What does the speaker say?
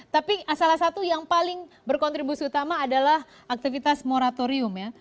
tapi salah satu yang paling berkontribusi utama adalah aktivitas moratorium ya